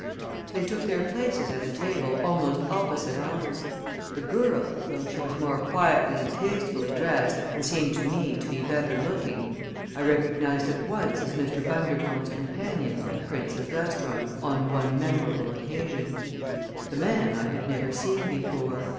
They took their places at a table almost opposite ours. The girl, though she was more quietly and tastefully dressed and seemed to me to be better looking, I recognized at once as Mr. Bundercombe's companion at Prince's Restaurant on one memorable occasion. The man I had never seen before.